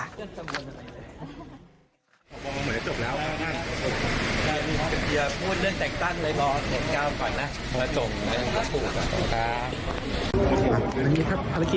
บอกว่าพ่อแม่ครูบาอาจารย์ค่ะ